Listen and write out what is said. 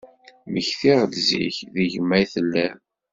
Mmektiɣ-d ziɣ d gma i telliḍ.